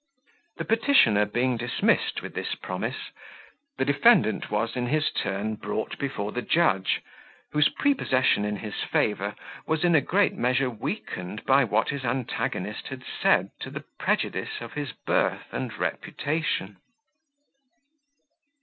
The petitioner being dismissed with this promise, the defendant was, in his turn, brought before the judge, whose prepossession in his favour was in a great measure weakened by what his antagonist had said to the prejudice of his birth and reputation.